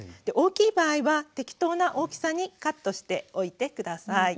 大きい場合は適当な大きさにカットしておいて下さい。